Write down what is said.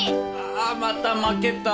ああまた負けた。